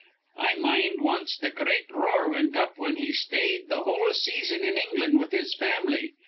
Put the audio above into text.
I mind wanst a great roar wint up whin he stayed th' whole season in England with his fam'ly.